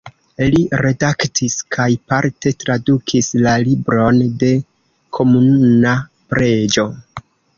Li redaktis kaj parte tradukis "La Libron de Komuna Preĝo.